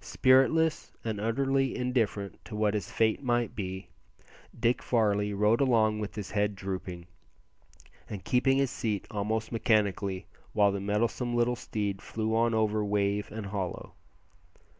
Spiritless, and utterly indifferent to what his fate might be, Dick Varley rode along with his head drooping, and keeping his seat almost mechanically, while the mettlesome little steed flew on over wave and hollow.